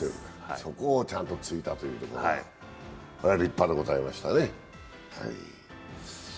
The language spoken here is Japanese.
そこをちゃんとついたというところが立派でしたね。